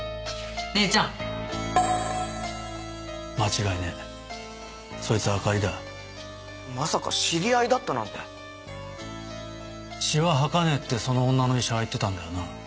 姉ちゃん間違いねぇそいつはあかりだまさか知り合いだったなんて血は吐かねぇってその女の医者は言ってたんだよな？